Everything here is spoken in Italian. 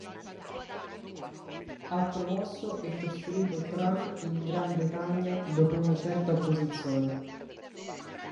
Ha promosso e costruito tram in Gran Bretagna dopo una certa opposizione.